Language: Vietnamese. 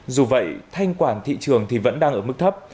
dù vậy thanh quản thị trường thì vẫn đang ở mức thấp